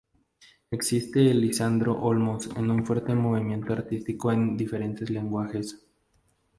Existe en Lisandro Olmos un fuerte movimiento artístico en diferentes lenguajes.